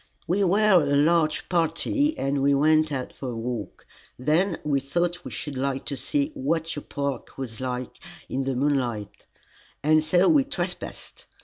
"We were a large party and we went out for a walk. Then we thought we should like to see what your park was like in the moonlight, and so we trespassed.